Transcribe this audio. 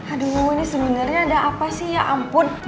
aduh ini sebenarnya ada apa sih ya ampun